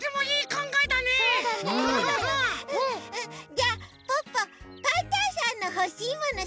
じゃあポッポパンタンさんのほしいものしらべてみる！